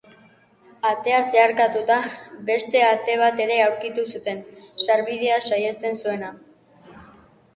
Atea zeharkatuta, beste ate bat ere aurkitu zuten, sarbidea saihesten zuena.